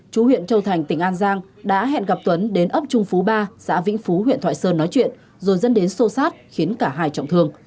chú huyện châu thành tỉnh an giang đã hẹn gặp tuấn đến ấp trung phú ba xã vĩnh phú huyện thoại sơn nói chuyện rồi dẫn đến sô sát khiến cả hai trọng thương